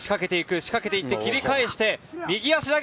仕掛けていって、切り返して、右足だけ。